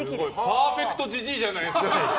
パーフェクトジジイじゃないですか！